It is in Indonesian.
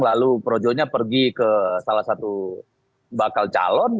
lalu projonya pergi ke salah satu bakal calon